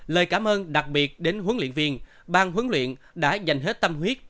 lời cảm ơn đặc biệt đến huấn luyện viên bang huấn luyện đã dành hết tâm huyết